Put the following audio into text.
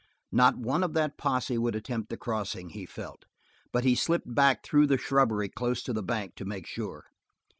Not one of that posse would attempt the crossing, he felt, but he slipped back through the shrubbery close to the bank to make sure.